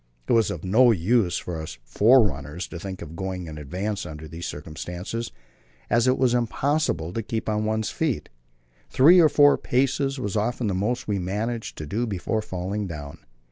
It was of no use for us "forerunners" to think of going in advance under these circumstances, as it was impossible to keep on one's feet. Three or four paces was often the most we managed to do before falling down.